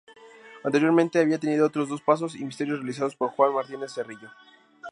Anteriormente había tenido otros dos pasos y misterios realizados por Juan Martínez Cerrillo.